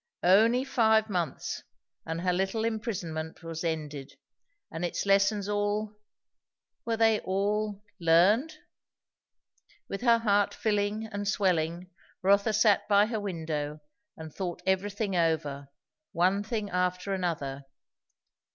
Only five months; and her little imprisonment was ended, and its lessons all were they all learned? With her heart filling and swelling, Rotha sat by her window and thought everything over, one thing after another.